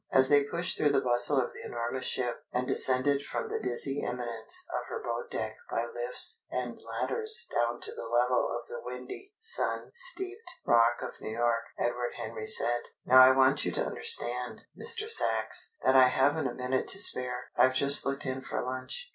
As they pushed through the bustle of the enormous ship, and descended from the dizzy eminence of her boat deck by lifts and ladders down to the level of the windy, sun steeped rock of New York, Edward Henry said: "Now I want you to understand, Mr. Sachs, that I haven't a minute to spare. I've just looked in for lunch."